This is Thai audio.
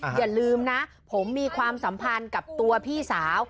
อย่าลืมนะผมมีความสัมพันธ์กับตัวพี่สาว